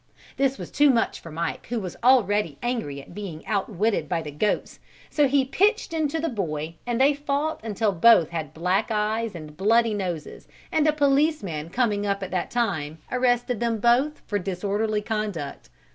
That was too much for Mike who was already angry at being outwitted by the goats, so he pitched into the boy and they fought until both had black eyes and bloody noses and a policeman coming up at that time arrested them both for disorderly conduct.